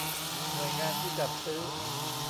หน่วยงานที่จัดซื้อ